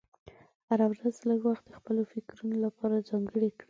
هره ورځ لږ وخت د خپلو فکرونو لپاره ځانګړی کړه.